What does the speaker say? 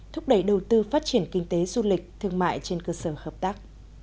thúc đẩy đầu tư phát triển kinh tế du lịch thương mại trên cơ sở hợp tác